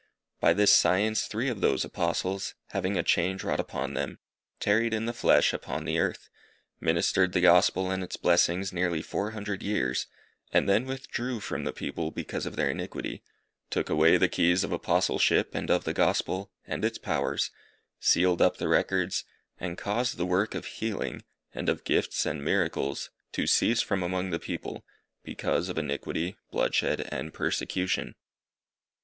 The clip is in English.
By this science three of those Apostles, having a change wrought upon them, tarried in the flesh upon the earth, ministered the Gospel and its blessings nearly four hundred years, and then withdrew from the people because of their iniquity, took away the keys of Apostleship and of the Gospel, and its powers, sealed up the records, and caused the work of healing, and of gifts and miracles, to cease from among the people, because of iniquity, bloodshed, and persecution.